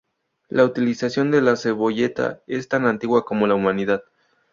La utilización de la cebolleta es tan antigua como la humanidad.